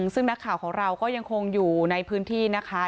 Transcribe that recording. ซึ่งนักข่าวของเราก็ยังคงอยู่ในพื้นที่นะคะ